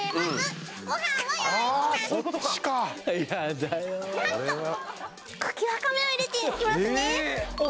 そっちかなんと茎わかめを入れていきますねえ！？